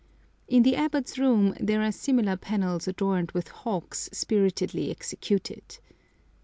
In the Abbot's room there are similar panels adorned with hawks spiritedly executed.